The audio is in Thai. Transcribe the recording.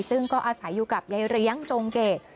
ซึ่งก็อาศัยอยู่กับยายเลี้ยงจงเกต